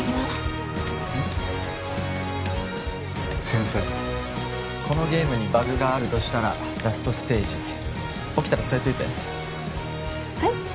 天才このゲームにバグがあるとしたらラストステージ起きたら伝えといてはい？